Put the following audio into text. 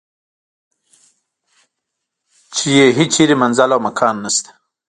چې یې هیچرې منزل او مکان نشته.